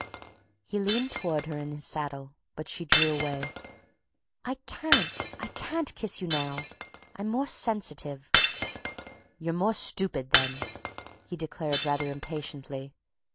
..." He leaned toward her in his saddle, but she drew away. "I can't—I can't kiss you now—I'm more sensitive." "You're more stupid then," he declared rather impatiently.